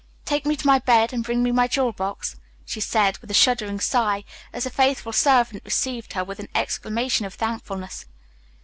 "Take me to my bed and bring my jewel box," she said, with a shuddering sigh, as the faithful servant received her with an exclamation of thankfulness.